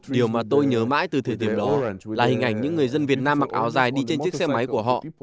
điều mà tôi nhớ mãi từ thời điểm đó là hình ảnh những người dân việt nam mặc áo dài đi trên chiếc xe máy của họ